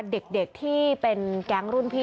เด็กที่เป็นแก๊งรุ่นพี่